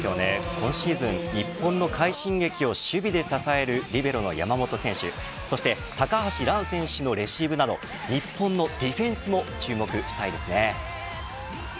今シーズン日本の快進撃を守備で支えるリベロの山本選手そして高橋藍選手のレシーブなど日本のディフェンスも注目したいですね。